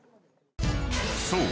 ［そう！